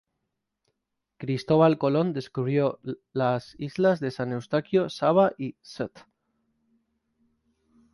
Cristobal Colón descubrió las islas de San Eustaquio, Saba y St.